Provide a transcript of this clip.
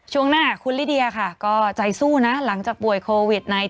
ช่วงหน้าคุณลิเดียค่ะก็ใจสู้นะหลังจากป่วยโควิด๑๙